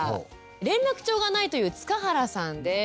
連絡帳がないという塚原さんです。